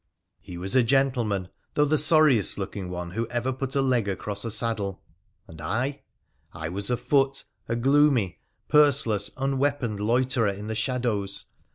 He was a gentleman, though the sorriest looking one who ever put a leg across a saddlo. And I? I was afoot, % PIJRA THE PHaLNICIAM 26J gloomy, purseless, unweaponed loiterer in the shadows.